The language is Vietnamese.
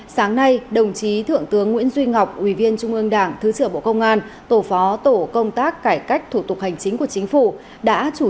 sáng nay đồng chí thượng tướng nguyễn duy ngọc ủy viên trung ương đảng thứ trưởng bộ công an tổ phó tổ công tác cải cách thủ tục hành chính của chính phủ